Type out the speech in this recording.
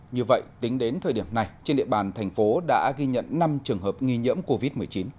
như vậy tính đến thời điểm này trên địa bàn thành phố đã ghi nhận năm trường hợp nghi nhiễm covid một mươi chín